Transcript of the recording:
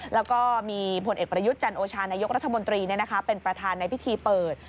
แล้วก็มีผลเอกประยุทธ์จันโอชานายกรัฐมนตรีเป็นประธานในพิธีเปิด